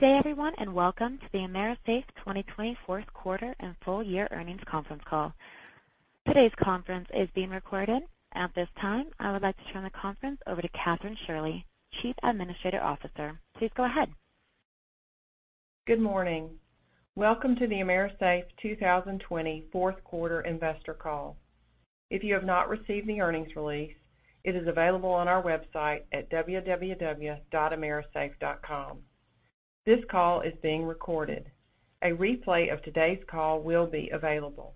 Good day, everyone, and welcome to the AMERISAFE 2020 fourth quarter and full year earnings conference call. Today's conference is being recorded. At this time, I would like to turn the conference over to Kathryn Shirley, Chief Administrative Officer. Please go ahead. Good morning. Welcome to the AMERISAFE 2020 fourth quarter investor call. If you have not received the earnings release, it is available on our website at www.amerisafe.com. This call is being recorded. A replay of today's call will be available.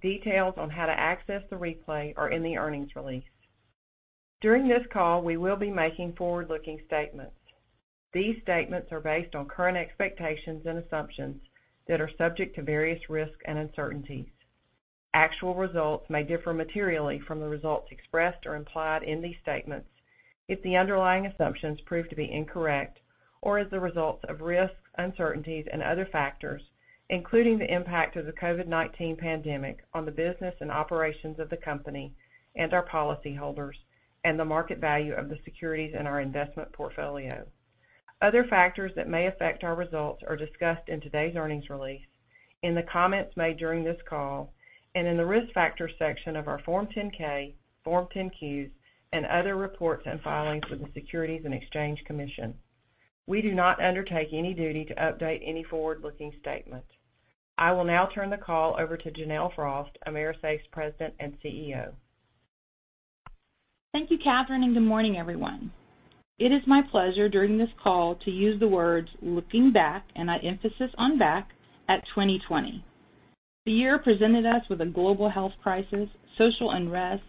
Details on how to access the replay are in the earnings release. During this call, we will be making forward-looking statements. These statements are based on current expectations and assumptions that are subject to various risks and uncertainties. Actual results may differ materially from the results expressed or implied in these statements if the underlying assumptions prove to be incorrect or as a result of risks, uncertainties and other factors, including the impact of the COVID-19 pandemic on the business and operations of the company and our policyholders and the market value of the securities in our investment portfolio. Other factors that may affect our results are discussed in today's earnings release, in the comments made during this call, and in the Risk Factors section of our Form 10-K, Form 10-Qs, and other reports on filings with the Securities and Exchange Commission. We do not undertake any duty to update any forward-looking statements. I will now turn the call over to Janelle Frost, AMERISAFE's President and Chief Executive Officer. Thank you, Kathryn, and good morning, everyone. It is my pleasure during this call to use the words looking back, and I emphasize on back, at 2020. The year presented us with a global health crisis, social unrest,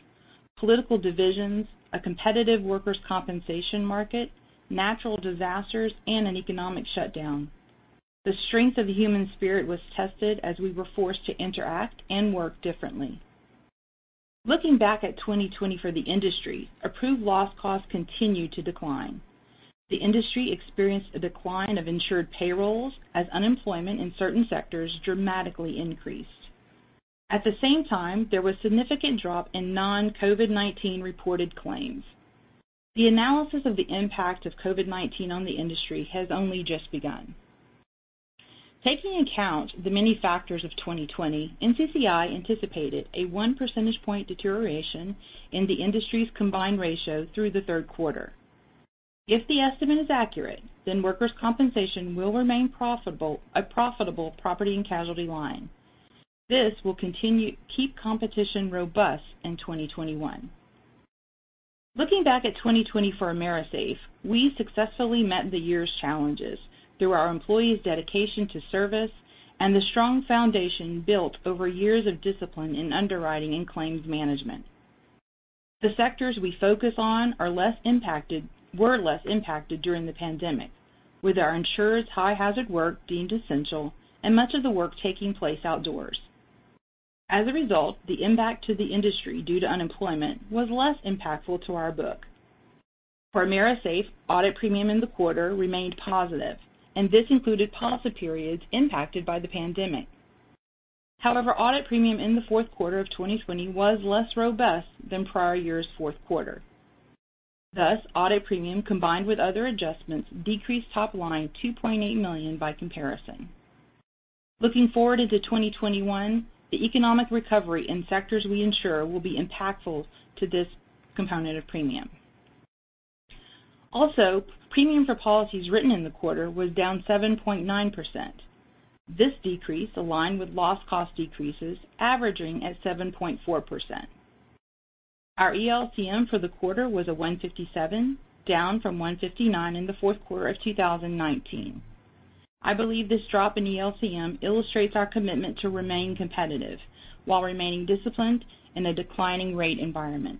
political divisions, a competitive workers' compensation market, natural disasters, and an economic shutdown. The strength of the human spirit was tested as we were forced to interact and work differently. Looking back at 2020 for the industry, approved loss costs continued to decline. The industry experienced a decline of insured payrolls as unemployment in certain sectors dramatically increased. At the same time, there was significant drop in non-COVID-19 reported claims. The analysis of the impact of COVID-19 on the industry has only just begun. Taking into account the many factors of 2020, NCCI anticipated a one percentage point deterioration in the industry's combined ratio through the third quarter. If the estimate is accurate, then workers' compensation will remain a profitable property and casualty line. This will keep competition robust in 2021. Looking back at 2020 for AMERISAFE, we successfully met the year's challenges through our employees' dedication to service and the strong foundation built over years of discipline in underwriting and claims management. The sectors we focus on were less impacted during the pandemic, with our insurers' high-hazard work deemed essential and much of the work taking place outdoors. As a result, the impact to the industry due to unemployment was less impactful to our book. For AMERISAFE, audit premium in the quarter remained positive, and this included policy periods impacted by the pandemic. However, audit premium in the fourth quarter of 2020 was less robust than prior year's fourth quarter. Thus, audit premium, combined with other adjustments, decreased top line $2.8 million by comparison. Looking forward into 2021, the economic recovery in sectors we insure will be impactful to this compounded premium. Also, premium for policies written in the quarter was down 7.9%. This decrease aligned with loss cost decreases averaging at 7.4%. Our ELCM for the quarter was a 157, down from 159 in the fourth quarter of 2019. I believe this drop in ELCM illustrates our commitment to remain competitive while remaining disciplined in a declining rate environment.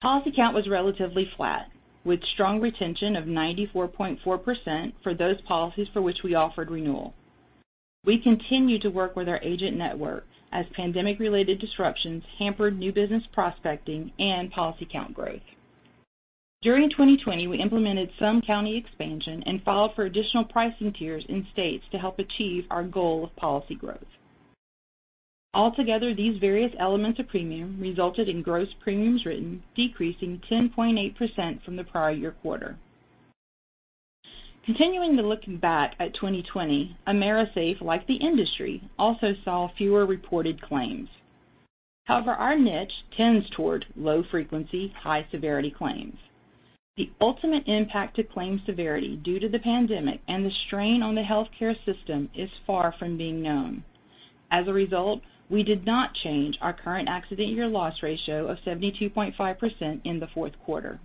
Policy count was relatively flat, with strong retention of 94.4% for those policies for which we offered renewal. We continue to work with our agent network as pandemic-related disruptions hampered new business prospecting and policy count growth. During 2020, we implemented some county expansion and filed for additional pricing tiers in states to help achieve our goal of policy growth. Altogether, these various elements of premium resulted in gross premiums written, decreasing 10.8% from the prior year quarter. Continuing to looking back at 2020, AMERISAFE, like the industry, also saw fewer reported claims. However, our niche tends toward low frequency, high severity claims. The ultimate impact to claims severity due to the pandemic and the strain on the healthcare system is far from being known. As a result, we did not change our current accident year loss ratio of 72.5% in the fourth quarter.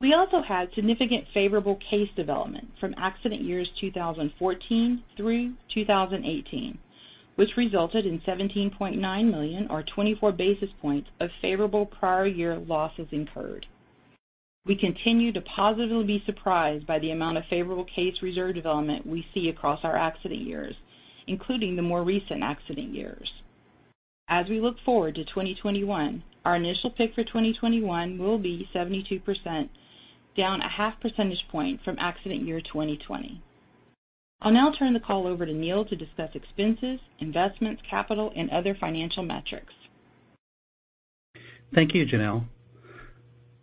We also had significant favorable case development from accident years 2014 through 2018, which resulted in $17.9 million or 24 basis points of favorable prior year losses incurred. We continue to positively be surprised by the amount of favorable case reserve development we see across our accident years, including the more recent accident years. As we look forward to 2021, our initial pick for 2021 will be 72%, down a half percentage point from accident year 2020. I'll now turn the call over to Neal to discuss expenses, investments, capital, and other financial metrics. Thank you, Janelle.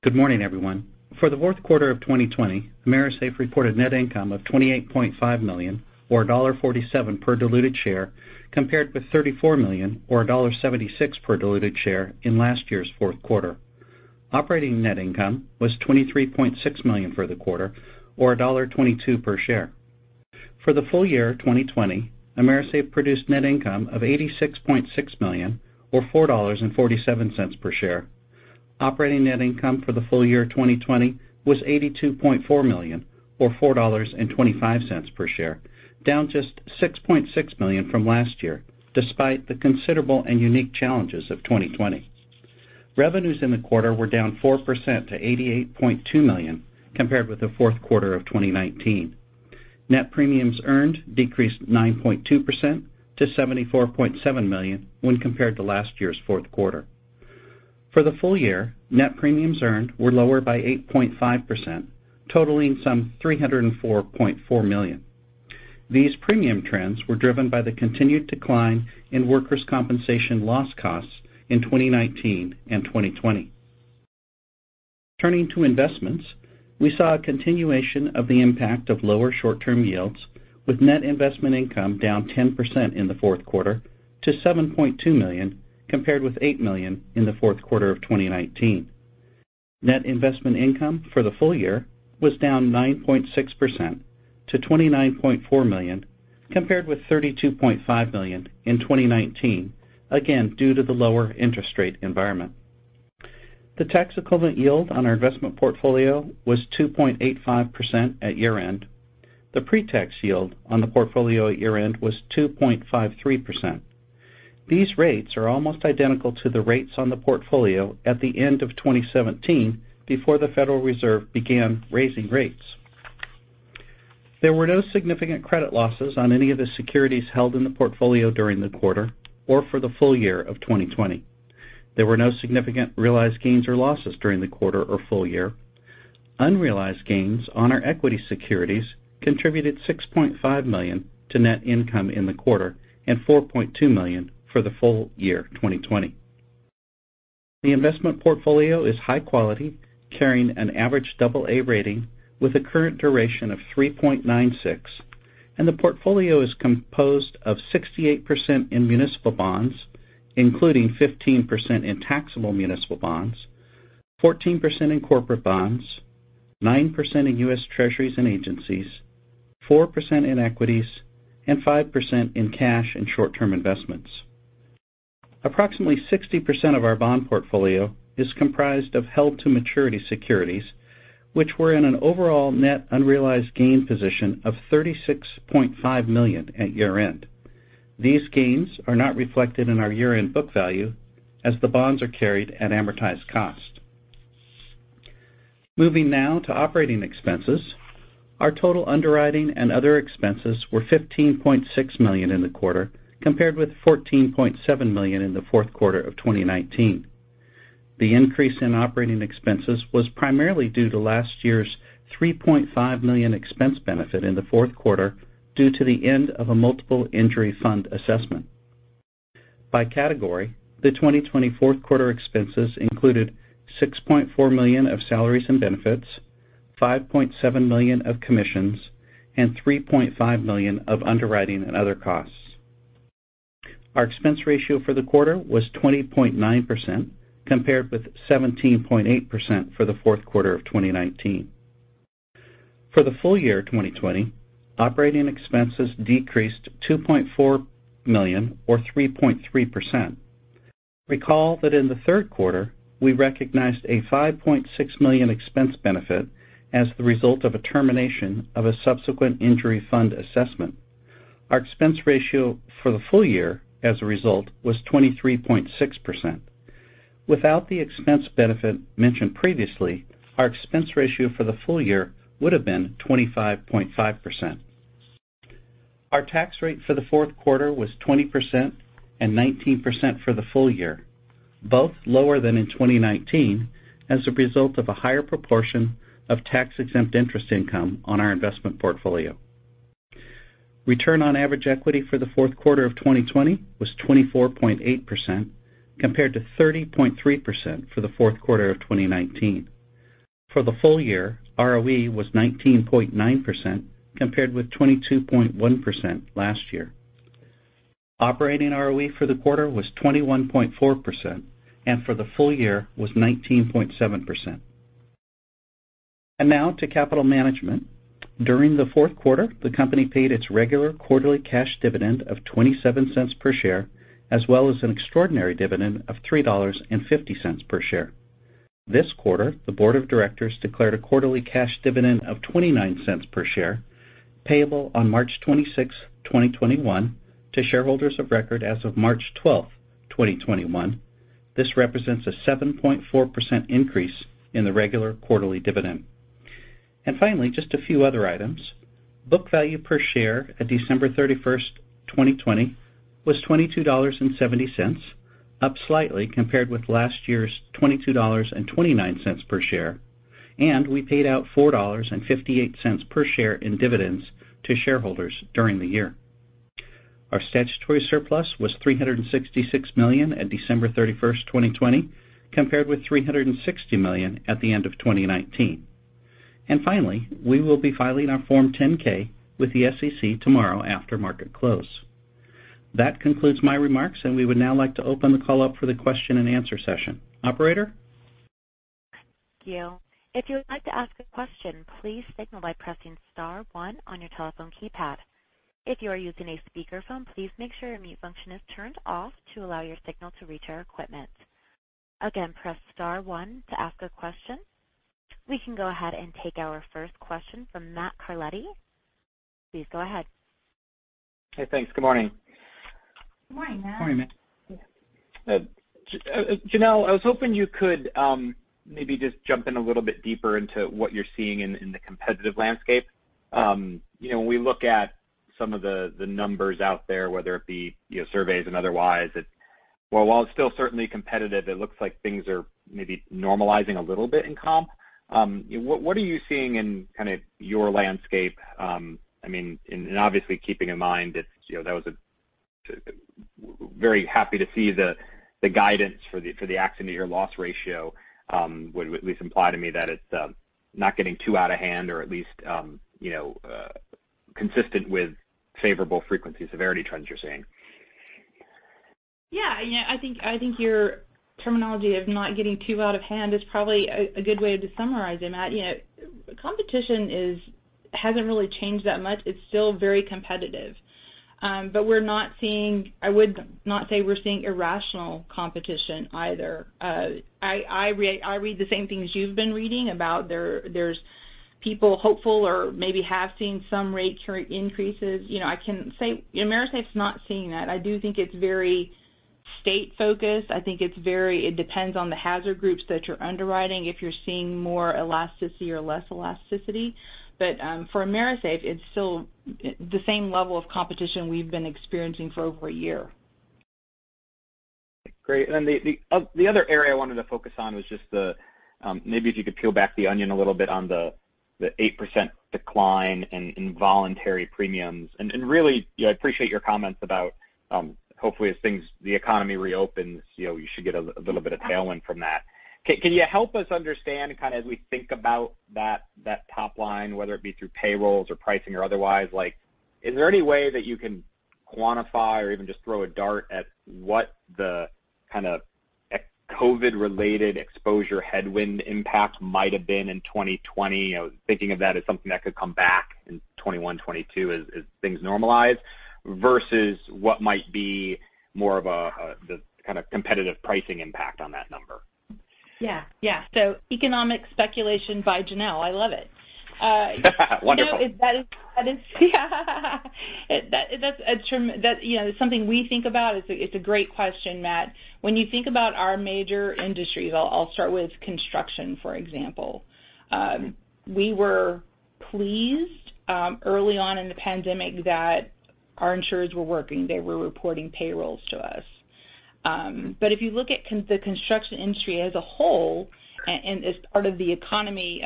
Good morning, everyone. For the fourth quarter of 2020, AMERISAFE reported net income of $28.5 million, or $1.47 per diluted share, compared with $34 million, or $1.76 per diluted share in last year's fourth quarter. Operating net income was $23.6 million for the quarter, or $1.22 per share. For the full year 2020, AMERISAFE produced net income of $86.6 million or $4.47 per share. Operating net income for the full year 2020 was $82.4 million or $4.25 per share, down just $6.6 million from last year, despite the considerable and unique challenges of 2020. Revenues in the quarter were down 4% to $88.2 million compared with the fourth quarter of 2019. Net premiums earned decreased 9.2% to $74.7 million when compared to last year's fourth quarter. For the full year, net premiums earned were lower by 8.5%, totaling some $304.4 million. These premium trends were driven by the continued decline in workers' compensation loss costs in 2019 and 2020. Turning to investments, we saw a continuation of the impact of lower short-term yields, with net investment income down 10% in the fourth quarter to $7.2 million, compared with $8 million in the fourth quarter of 2019. Net investment income for the full year was down 9.6% to $29.4 million, compared with $32.5 million in 2019, again, due to the lower interest rate environment. The tax-equivalent yield on our investment portfolio was 2.85% at year-end. The pre-tax yield on the portfolio at year-end was 2.53%. These rates are almost identical to the rates on the portfolio at the end of 2017, before the Federal Reserve began raising rates. There were no significant credit losses on any of the securities held in the portfolio during the quarter or for the full year of 2020. There were no significant realized gains or losses during the quarter or full year. Unrealized gains on our equity securities contributed $6.5 million to net income in the quarter and $4.2 million for the full year 2020. The investment portfolio is high quality, carrying an average AA rating with a current duration of 3.96, and the portfolio is composed of 68% in municipal bonds, including 15% in taxable municipal bonds, 14% in corporate bonds, 9% in US Treasuries and agencies, 4% in equities, and 5% in cash and short-term investments. Approximately 60% of our bond portfolio is comprised of held-to-maturity securities, which were in an overall net unrealized gain position of $36.5 million at year-end. These gains are not reflected in our year-end book value as the bonds are carried at amortized cost. Moving now to operating expenses. Our total underwriting and other expenses were $15.6 million in the quarter, compared with $14.7 million in the fourth quarter of 2019. The increase in operating expenses was primarily due to last year's $3.5 million expense benefit in the fourth quarter due to the end of a Multiple Injury Fund assessment. By category, the 2020 fourth-quarter expenses included $6.4 million of salaries and benefits, $5.7 million of commissions, and $3.5 million of underwriting and other costs. Our expense ratio for the quarter was 20.9%, compared with 17.8% for the fourth quarter of 2019. For the full year 2020, operating expenses decreased $2.4 million or 3.3%. Recall that in the third quarter, we recognized a $5.6 million expense benefit as the result of a termination of a Subsequent Injury Fund assessment. Our expense ratio for the full year, as a result, was 23.6%. Without the expense benefit mentioned previously, our expense ratio for the full year would have been 25.5%. Our tax rate for the fourth quarter was 20% and 19% for the full year, both lower than in 2019 as a result of a higher proportion of tax-exempt interest income on our investment portfolio. Return on average equity for the fourth quarter of 2020 was 24.8%, compared to 30.3% for the fourth quarter of 2019. For the full year, ROE was 19.9%, compared with 22.1% last year. Operating ROE for the quarter was 21.4%, and for the full year was 19.7%. Now to capital management. During the fourth quarter, the company paid its regular quarterly cash dividend of $0.27 per share, as well as an extraordinary dividend of $3.50 per share. This quarter, the board of directors declared a quarterly cash dividend of $0.29 per share, payable on March 26, 2021, to shareholders of record as of March 12, 2021. This represents a 7.4% increase in the regular quarterly dividend. Finally, just a few other items. Book value per share at December 31st, 2020, was $22.70, up slightly compared with last year's $22.29 per share, and we paid out $4.58 per share in dividends to shareholders during the year. Our statutory surplus was $366 million at December 31st, 2020, compared with $360 million at the end of 2019. Finally, we will be filing our Form 10-K with the SEC tomorrow after market close. That concludes my remarks, and we would now like to open the call up for the question and answer session. Operator? Thank you. If you would like to ask a question, please signal by pressing star one on your telephone keypad. If you are using a speakerphone, please make sure your mute function is turned off to allow your signal to reach our equipment. Again, press star one to ask a question. We can go ahead and take our first question from Matthew Carletti. Please go ahead. Hey, thanks. Good morning. Good morning, Matt. Morning, Matt. Janelle, I was hoping you could maybe just jump in a little bit deeper into what you're seeing in the competitive landscape. When we look at some of the numbers out there, whether it be surveys and otherwise, while it's still certainly competitive, it looks like things are maybe normalizing a little bit in comp. What are you seeing in your landscape? Obviously keeping in mind that was a very happy to see the guidance for the accident year loss ratio would at least imply to me that it's not getting too out of hand or at least consistent with favorable frequency severity trends you're seeing. Yeah. I think your terminology of not getting too out of hand is probably a good way to summarize it, Matt. Competition hasn't really changed that much. It's still very competitive. I would not say we're seeing irrational competition either. I read the same things you've been reading about there's people hopeful or maybe have seen some rate increases. I can say AMERISAFE's not seeing that. I do think it's very state focused. I think it depends on the hazard groups that you're underwriting, if you're seeing more elasticity or less elasticity. For AMERISAFE, it's still the same level of competition we've been experiencing for over a year. Great. The other area I wanted to focus on was maybe if you could peel back the onion a little bit on the 8% decline in voluntary premiums. Really, I appreciate your comments about hopefully as the economy reopens, we should get a little bit of tailwind from that. Can you help us understand, as we think about that top line, whether it be through payrolls or pricing or otherwise, is there any way that you can quantify or even just throw a dart at what the kind of COVID-related exposure headwind impact might have been in 2020? Thinking of that as something that could come back in 2021, 2022 as things normalize versus what might be more of the kind of competitive pricing impact on that number. Yeah. Economic speculation by Janelle. I love it. Wonderful. That's something we think about. It's a great question, Matt. When you think about our major industries, I'll start with construction, for example. We were pleased early on in the pandemic that our insurers were working. They were reporting payrolls to us. If you look at the construction industry as a whole and as part of the economy,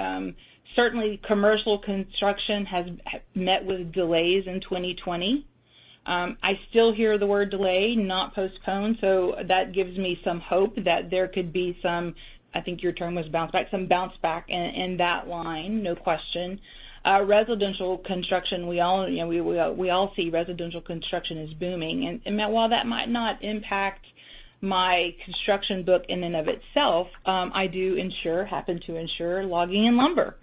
certainly commercial construction has met with delays in 2020. I still hear the word delay, not postpone, so that gives me some hope that there could be some, I think your term was bounce back, some bounce back in that line, no question. Residential construction, we all see residential construction as booming. Matt, while that might not impact my construction book in and of itself, I do happen to insure logging and lumber.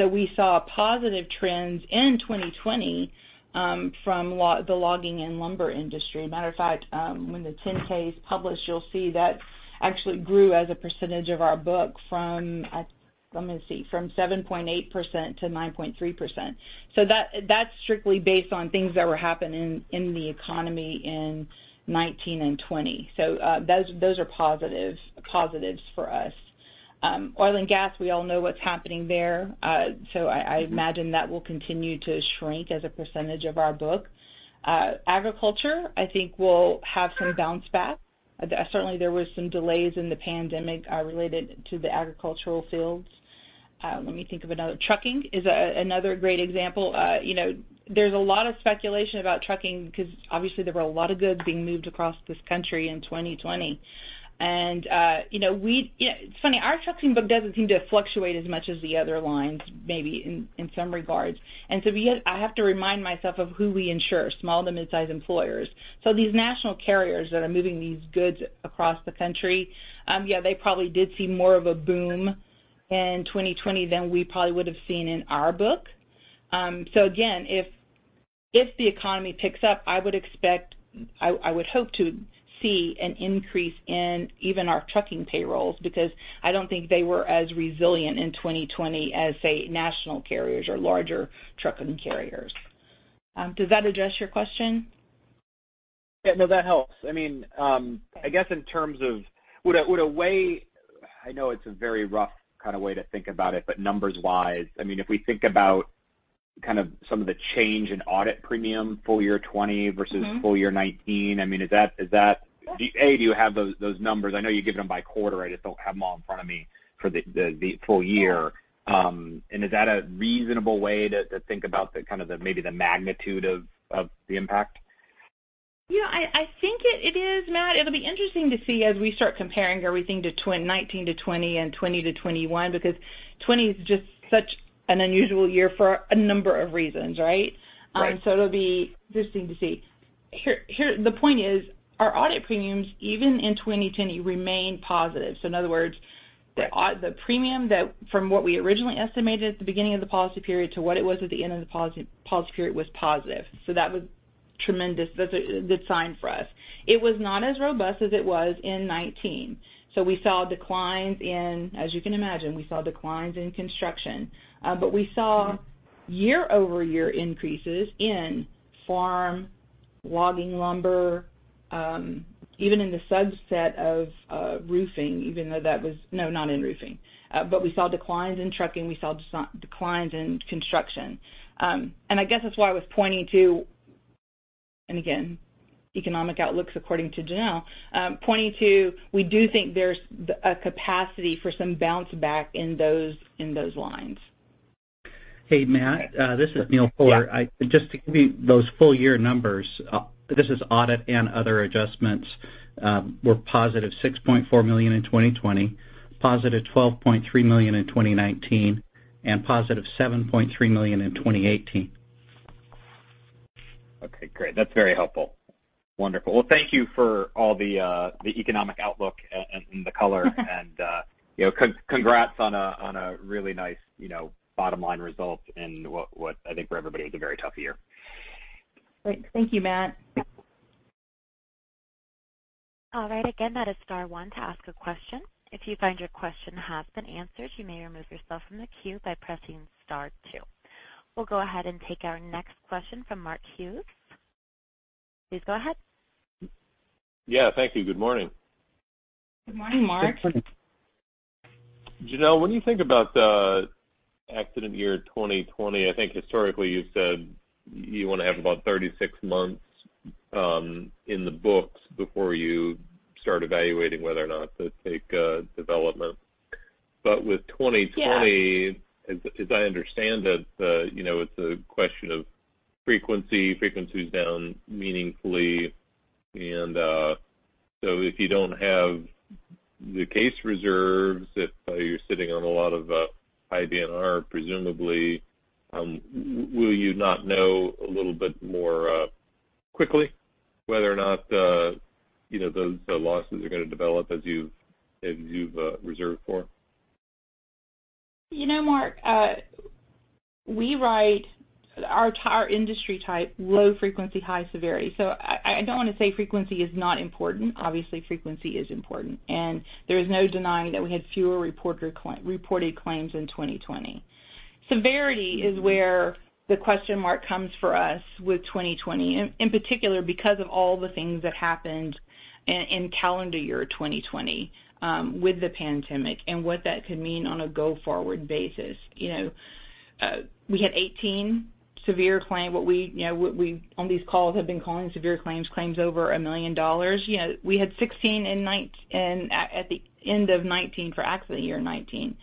We saw positive trends in 2020 from the logging and lumber industry. Matter of fact, when the 10-K is published, you'll see that actually grew as a percentage of our book from, let me see, from 7.8% to 9.3%. Those are strictly based on things that were happening in the economy in 2019 and 2020. Those are positives for us. Oil and gas, we all know what's happening there. I imagine that will continue to shrink as a percentage of our book. Agriculture, I think will have some bounce back. Certainly, there was some delays in the pandemic related to the agricultural fields. Let me think of another. Trucking is another great example. There's a lot of speculation about trucking because obviously there were a lot of goods being moved across this country in 2020. It's funny, our trucking book doesn't seem to fluctuate as much as the other lines, maybe in some regards. I have to remind myself of who we insure, small to midsize employers. These national carriers that are moving these goods across the country, yeah, they probably did see more of a boom in 2020 than we probably would've seen in our book. Again, if the economy picks up, I would hope to see an increase in even our trucking payrolls because I don't think they were as resilient in 2020 as, say, national carriers or larger trucking carriers. Does that address your question? Yeah, no, that helps. I guess in terms of would a way, I know it's a very rough way to think about it, but numbers-wise, if we think about some of the change in audit premium full year 2020 versus full year 2019, A, do you have those numbers? I know you give them by quarter. I just don't have them all in front of me for the full year. Is that a reasonable way to think about maybe the magnitude of the impact? Yeah, I think it is, Matt. It'll be interesting to see as we start comparing everything to 2019 to 2020 and 2020 to 2021 because 2020 is just such an unusual year for a number of reasons, right? Right. It'll be interesting to see. The point is our audit premiums, even in 2020, remained positive. In other words, the premium from what we originally estimated at the beginning of the policy period to what it was at the end of the policy period was positive. That was tremendous. That's a good sign for us. It was not as robust as it was in 2019. We saw declines in, as you can imagine, we saw declines in construction. We saw year-over-year increases in farm, logging lumber. Even in the subset of roofing, even though that was not in roofing. We saw declines in trucking. We saw declines in construction. I guess that's why I was pointing to, and again, economic outlooks according to Janelle, pointing to we do think there's a capacity for some bounce back in those lines. Hey, Matt, this is Neal Fuller. Yeah. Just to give you those full year numbers, this is audit and other adjustments, were positive $6.4 million in 2020, positive $12.3 million in 2019, and positive $7.3 million in 2018. Okay, great. That's very helpful. Wonderful. Thank you for all the economic outlook and the color. Congrats on a really nice bottom line result in what I think for everybody was a very tough year. Thank you, Matt. All right. Again, that is star one to ask a question. If you find your question has been answered, you may remove yourself from the queue by pressing star two. We'll go ahead and take our next question from Mark Hughes. Please go ahead. Yeah, thank you. Good morning. Good morning, Mark. Janelle, when you think about accident year 2020, I think historically you've said you want to have about 36 months in the books before you start evaluating whether or not to take development. With 2020- Yeah As I understand it's a question of frequency. Frequency's down meaningfully. If you don't have the case reserves, if you're sitting on a lot of IBNR, presumably, will you not know a little bit more quickly whether or not the losses are going to develop as you've reserved for? Mark, we write our industry type low frequency, high severity. I don't want to say frequency is not important. Obviously, frequency is important, there is no denying that we had fewer reported claims in 2020. Severity is where the question mark comes for us with 2020, in particular because of all the things that happened in calendar year 2020 with the pandemic and what that could mean on a go forward basis. We had 18 severe claim, what we on these calls have been calling severe claims over $1 million. We had 16 at the end of 2019 for accident year 2019.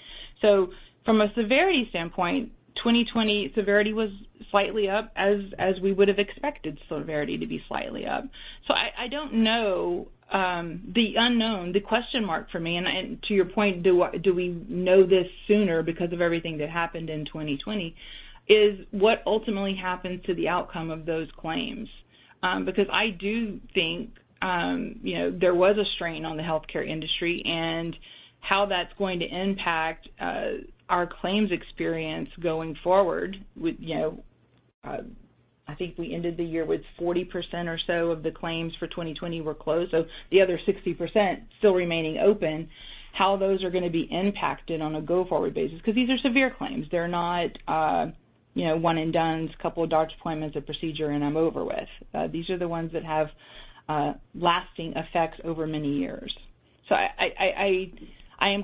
From a severity standpoint, 2020 severity was slightly up as we would've expected severity to be slightly up. I don't know. The unknown, the question mark for me, to your point, do we know this sooner because of everything that happened in 2020, is what ultimately happens to the outcome of those claims. I do think there was a strain on the healthcare industry and how that's going to impact our claims experience going forward with I think we ended the year with 40% or so of the claims for 2020 were closed, the other 60% still remaining open, how those are going to be impacted on a go forward basis because these are severe claims. They're not one and dones, couple of doctor appointments, a procedure, and I'm over with. These are the ones that have lasting effects over many years. I'm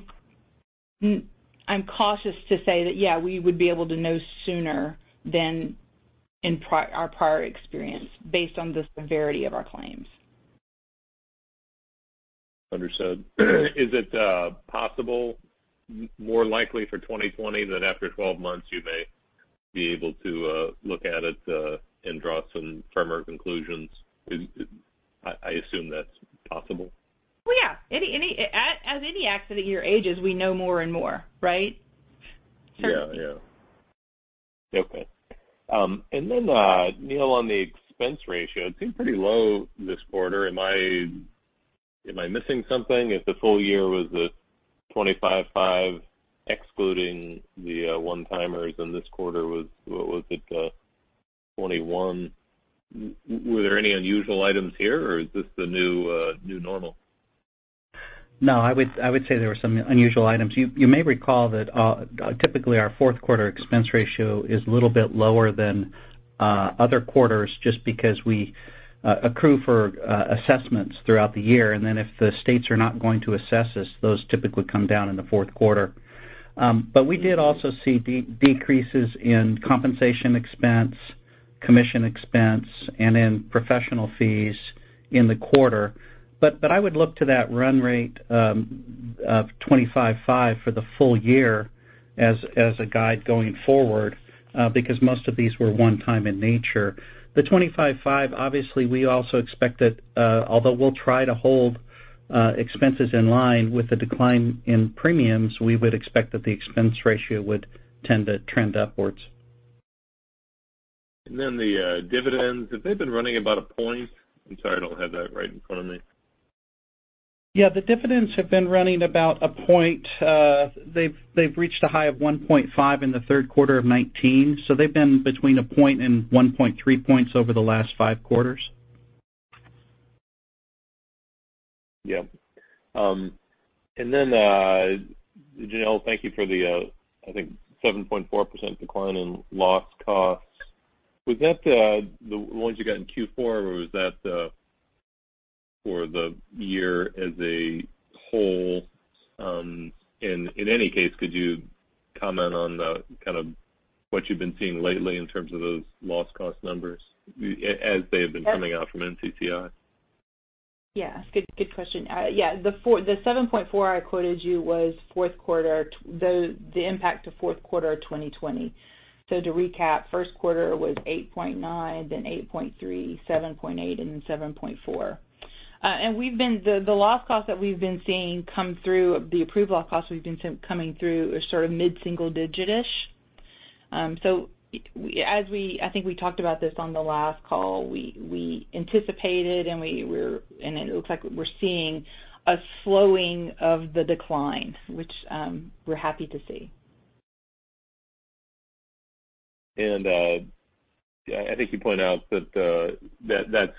cautious to say that yeah, we would be able to know sooner than in our prior experience based on the severity of our claims. Understood. Is it possible, more likely for 2020 that after 12 months you may be able to look at it and draw some firmer conclusions? I assume that's possible. Well, yeah. As any accident year ages, we know more and more, right? Yeah. Okay. Then, Neal, on the expense ratio, it seemed pretty low this quarter. Am I missing something? If the full year was at 25.5 excluding the one timers and this quarter was, what was it? 21. Were there any unusual items here or is this the new normal? No, I would say there were some unusual items. You may recall that typically our fourth quarter expense ratio is a little bit lower than other quarters just because we accrue for assessments throughout the year. Then if the states are not going to assess us, those typically come down in the fourth quarter. We did also see decreases in compensation expense, commission expense, and in professional fees in the quarter. I would look to that run rate of 25.5 for the full year as a guide going forward, because most of these were one-time in nature. The 25.5, obviously, although we'll try to hold expenses in line with the decline in premiums, we would expect that the expense ratio would tend to trend upwards. The dividends, have they been running about a point? I'm sorry I don't have that right in front of me. The dividends have been running about a point. They've reached a high of 1.5 in the third quarter of 2019. They've been between a point and 1.3 points over the last 5 quarters. Janelle, thank you for the, I think, 7.4% decline in loss costs. Was that the ones you got in Q4 or was that for the year as a whole? In any case, could you comment on what you've been seeing lately in terms of those loss cost numbers as they have been coming out from NCCI? The 7.4 I quoted you was the impact of fourth quarter 2020. To recap, first quarter was 8.9, then 8.3, 7.8, and then 7.4. The approved loss cost we've been seeing coming through are mid-single digit-ish. I think we talked about this on the last call. We anticipated and it looks like we're seeing a slowing of the decline, which we're happy to see. I think you point out that's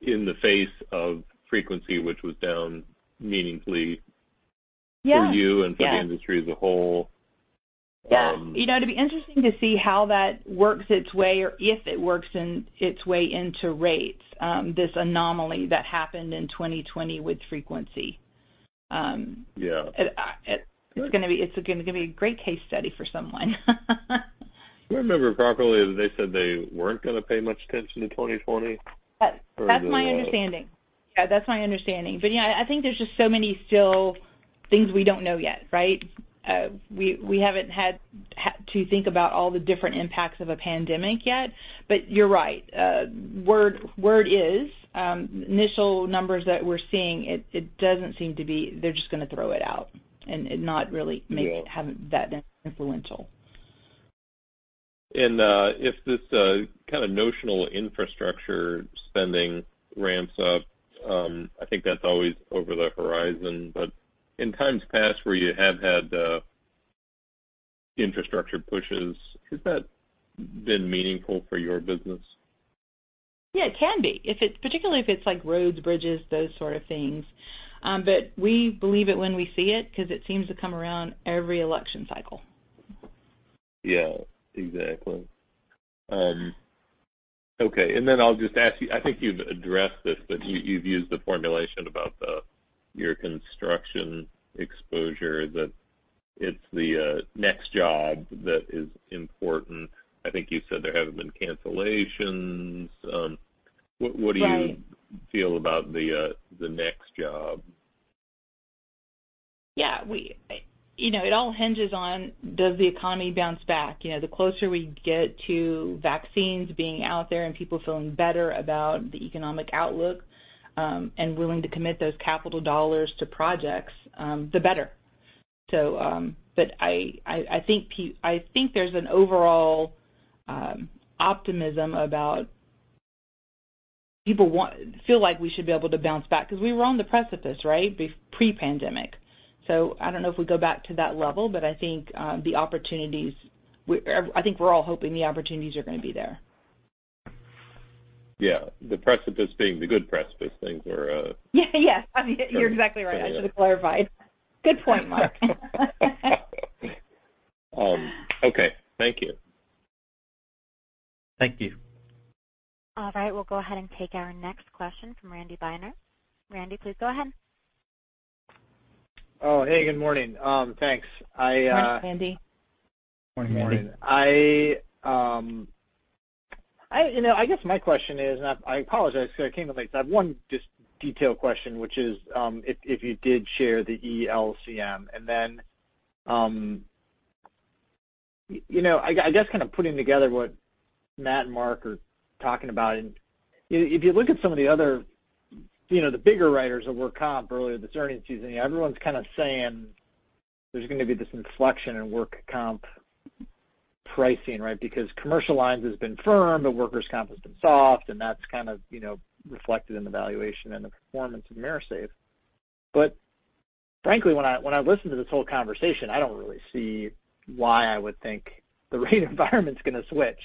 in the face of frequency, which was down meaningfully. Yeah for you and for the industry as a whole. Yeah. It'll be interesting to see how that works its way or if it works its way into rates, this anomaly that happened in 2020 with frequency. Yeah. It's going to be a great case study for someone. Do I remember properly that they said they weren't going to pay much attention to 2020? That's my understanding. Yeah, that's my understanding. I think there's just so many still things we don't know yet, right? We haven't had to think about all the different impacts of a pandemic yet, but you're right. Word is, initial numbers that we're seeing, they're just going to throw it out and it not really having been influential. If this notional infrastructure spending ramps up, I think that's always over the horizon, but in times past where you have had infrastructure pushes, has that been meaningful for your business? Yeah, it can be. Particularly if it's roads, bridges, those sort of things. We believe it when we see it because it seems to come around every election cycle. Yeah, exactly. Okay. I'll just ask you, I think you've addressed this, but you've used the formulation about your construction exposure, that it's the next job that is important. I think you said there haven't been cancellations. Right. What do you feel about the next job? Yeah. It all hinges on does the economy bounce back? The closer we get to vaccines being out there and people feeling better about the economic outlook, and willing to commit those capital dollars to projects, the better. I think there's an overall optimism about people feel like we should be able to bounce back because we were on the precipice, right? Pre-pandemic. I don't know if we go back to that level, but I think we're all hoping the opportunities are going to be there. Yeah. The precipice being the good precipice. Things are- Yeah. You're exactly right. I should have clarified. Good point, Mark. Okay. Thank you. Thank you. All right, we'll go ahead and take our next question from Randy Steiner. Randy, please go ahead. Oh, hey. Good morning. Thanks. Morning, Randy. Morning. I guess my question is, I apologize because I came in late, I have one just detail question, which is if you did share the ELCM. I guess kind of putting together what Matt and Mark are talking about, if you look at some of the other bigger writers of work comp earlier this earnings season, everyone's kind of saying there's going to be this inflection in work comp pricing, right? Because commercial lines has been firm, workers' comp has been soft, that's kind of reflected in the valuation and the performance of AMERISAFE. Frankly, when I listen to this whole conversation, I don't really see why I would think the rate environment's going to switch.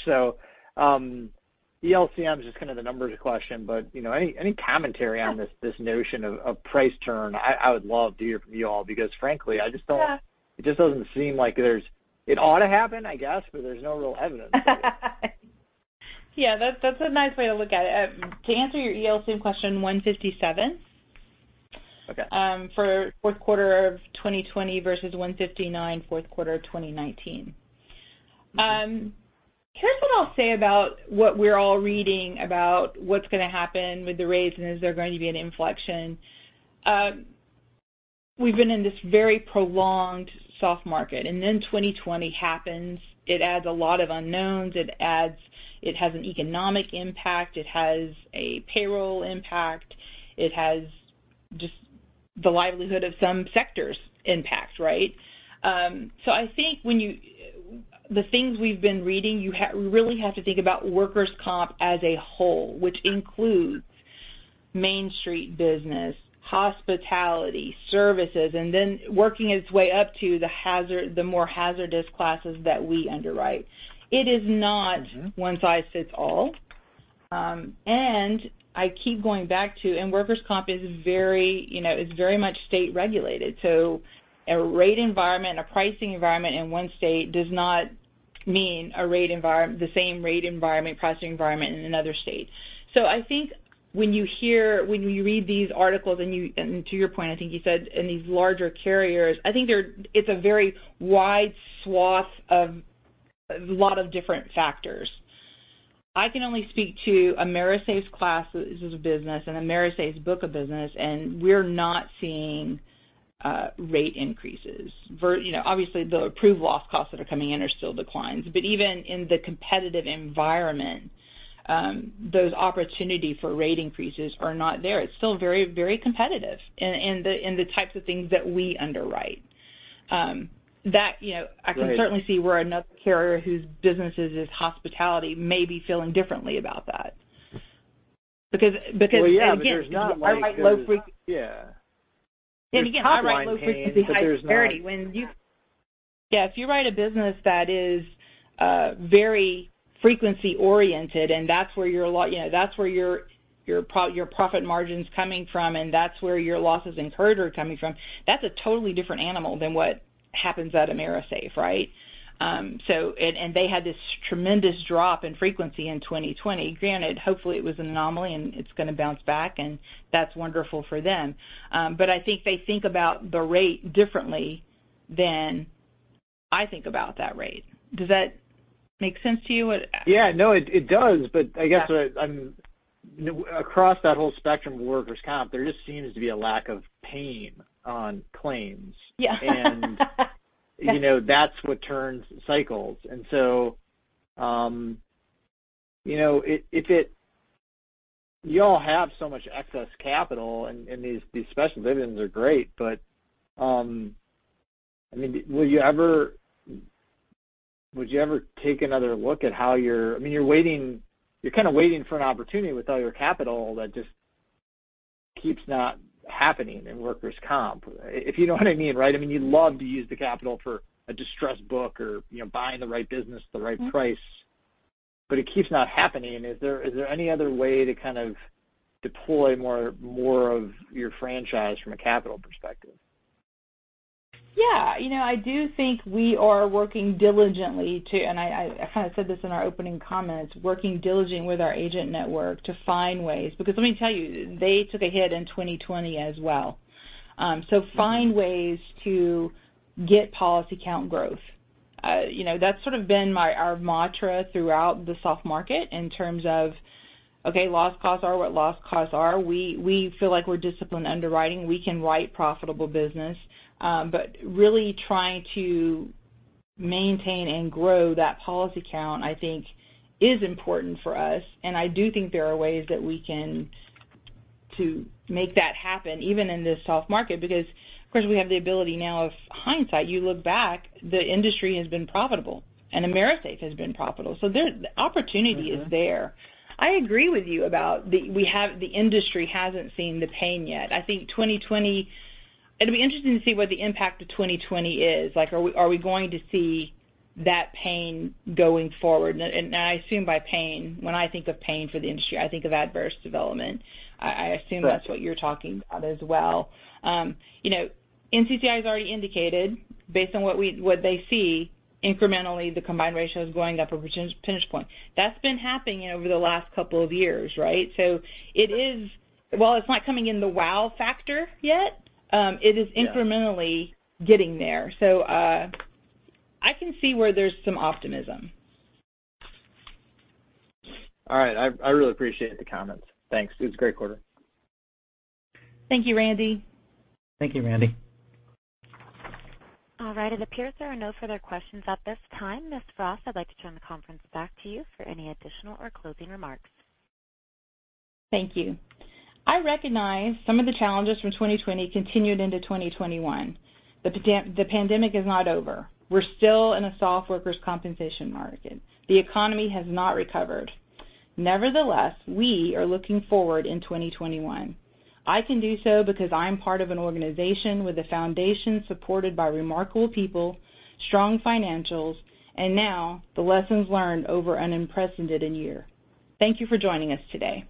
ELCM is just kind of the numbers question. Any commentary on this notion of price turn, I would love to hear from you all because frankly, it just doesn't seem like It ought to happen, I guess, there's no real evidence of it. Yeah, that's a nice way to look at it. To answer your ELCM question, 157. Okay. For fourth quarter of 2020 versus 159, fourth quarter 2019. Here's what I'll say about what we're all reading about what's going to happen with the rates and is there going to be an inflection. We've been in this very prolonged soft market, and then 2020 happens. It adds a lot of unknowns. It has an economic impact. It has a payroll impact. It has just the livelihood of some sectors impact, right? I think the things we've been reading, you really have to think about workers' comp as a whole, which includes Main Street business, hospitality, services, and then working its way up to the more hazardous classes that we underwrite. It is not. one size fits all. I keep going back to and workers' comp is very much state-regulated. A rate environment, a pricing environment in one state does not mean the same rate environment, pricing environment in another state. I think when you read these articles and, to your point, I think you said in these larger carriers, I think it's a very wide swath of a lot of different factors. I can only speak to AMERISAFE's classes of business and AMERISAFE's book of business, and we're not seeing rate increases. Obviously, the approved loss costs that are coming in are still declines. Even in the competitive environment, those opportunity for rate increases are not there. It's still very competitive in the types of things that we underwrite. I can. Right certainly see where another carrier whose business is hospitality may be feeling differently about that. Well, yeah, there's not. Again, I write low frequency. Yeah. Again, I write low frequency, high severity. There's not- Yeah, if you write a business that is very frequency oriented, and that's where your profit margin's coming from, and that's where your losses incurred are coming from, that's a totally different animal than what happens at AMERISAFE, right? They had this tremendous drop in frequency in 2020. Granted, hopefully it was an anomaly, and it's going to bounce back, and that's wonderful for them. I think they think about the rate differently than I think about that rate. Does that make sense to you? Yeah. No, it does. Across that whole spectrum of workers' comp, there just seems to be a lack of pain on claims. Yeah. That's what turns cycles. You all have so much excess capital, and these special dividends are great, will you ever take another look at how you're You're waiting for an opportunity with all your capital that just keeps not happening in workers' comp, if you know what I mean, right? You'd love to use the capital for a distressed book or buying the right business at the right price. It keeps not happening. Is there any other way to deploy more of your franchise from a capital perspective? Yeah. I do think we are working diligently with our agent network to find ways, and I kind of said this in our opening comments. Let me tell you, they took a hit in 2020 as well. Find ways to get policy count growth. That's sort of been our mantra throughout the soft market in terms of, okay, loss costs are what loss costs are. We feel like we're disciplined underwriting. We can write profitable business. Really trying to maintain and grow that policy count, I think, is important for us, and I do think there are ways that we can to make that happen, even in this soft market because, of course, we have the ability now of hindsight. You look back, the industry has been profitable, and AMERISAFE has been profitable. The opportunity. is there. I agree with you about the industry hasn't seen the pain yet. It'll be interesting to see what the impact of 2020 is. Are we going to see that pain going forward? I assume by pain, when I think of pain for the industry, I think of adverse development. Right. I assume that's what you're talking about as well. NCCI has already indicated, based on what they see, incrementally, the combined ratio is going up a percentage point. That's been happening over the last couple of years, right? While it's not coming in the wow factor yet. Yeah it is incrementally getting there. I can see where there's some optimism. All right. I really appreciate the comments. Thanks. It was a great quarter. Thank you, Randy. Thank you, Randy. All right. It appears there are no further questions at this time. Ms. Frost, I'd like to turn the conference back to you for any additional or closing remarks. Thank you. I recognize some of the challenges from 2020 continued into 2021. The pandemic is not over. We're still in a soft workers' compensation market. The economy has not recovered. Nevertheless, we are looking forward in 2021. I can do so because I'm part of an organization with a foundation supported by remarkable people, strong financials, and now the lessons learned over an unprecedented year. Thank you for joining us today.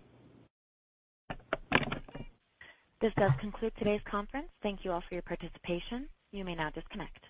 This does conclude today's conference. Thank you all for your participation. You may now disconnect.